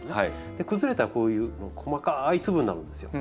崩れたらこういう細かい粒になるんですよ。